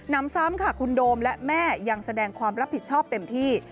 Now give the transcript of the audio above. นำซ้ำค่ะคุณโดมและแม่ยังแสดงความรับผิดชอบเต็มที่